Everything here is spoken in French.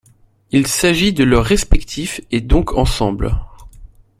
Il s'agit de leur respectif et donc ensemble.